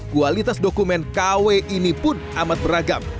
kualitas dokumen kw ini pun amat beragam